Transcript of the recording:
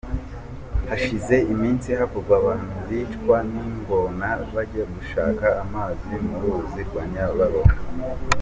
Hashize iminsi havugwa abantu bicwa n'ingona bajya gushaka amazi mu ruzi rwa Nyabarongo.